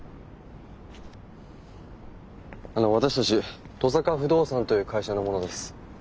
あの私たち登坂不動産という会社の者です。